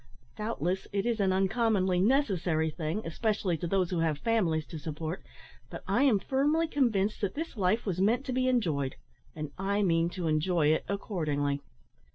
Doubtless, it is an uncommonly necessary thing, especially to those who have families to support; but I am firmly convinced that this life was meant to be enjoyed, and I mean to enjoy it accordingly."